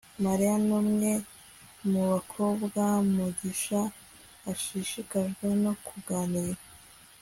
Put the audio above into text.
mariya numwe mubakobwa mugisha ashishikajwe no kuganira